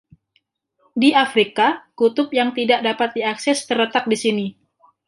Di Afrika, kutub yang tidak dapat diakses terletak di sini.